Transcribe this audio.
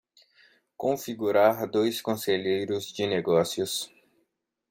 Configurar dois conselheiros de negócios